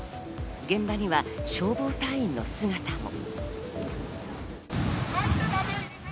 現場には消防隊員の姿も。